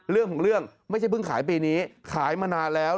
เรื่องของเรื่องไม่ใช่เพิ่งขายปีนี้ขายมานานแล้ว